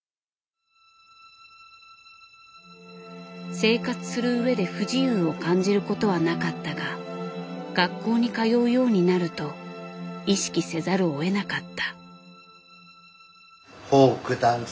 生活するうえで不自由を感じることはなかったが学校に通うようになると意識せざるをえなかった。